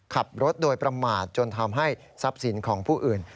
ขับรถโดยประมาทจนทำให้ทรัพย์สินของผู้อื่น